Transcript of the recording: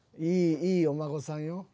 いいお孫さんよ。